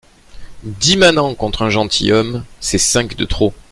Dix manants contre un gentilhomme, c’est cinq de trop.